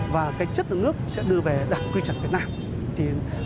và cái chất nước sẽ đưa về đảng quy trật việt nam